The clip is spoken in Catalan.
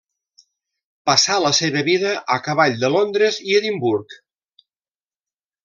Passà la seva vida a cavall de Londres i Edimburg.